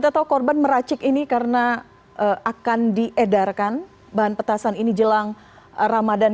kita tahu korban meracik ini karena akan diedarkan bahan petasan ini jelang ramadan